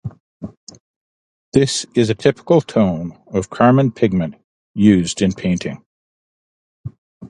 This is a typical tone of carmine pigment used in painting.